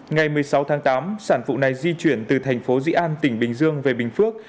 ngày một mươi sáu tháng tám sản phụ này di chuyển từ thành phố dị an tỉnh bình dương về bình phước